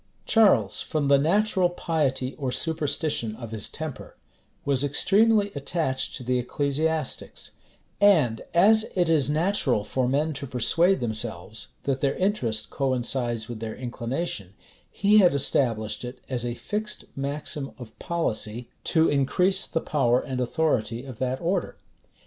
Charles, from the natural piety or superstition of his temper, was extremely attached to the ecclesiastics; and as it is natural for men to persuade themselves that their interest coincides with their inclination, he had established it as a fixed maxim of policy, to increase the power and authority of that order.